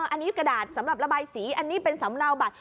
อันนี้กระดาษสำหรับระบายสีอันนี้เป็นสำเนาบัตร